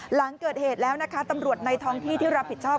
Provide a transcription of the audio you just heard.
หลังเกิดเหตุแล้วนะคะตำรวจในท้องที่ที่รับผิดชอบ